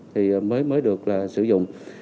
thì mới được là sử dụng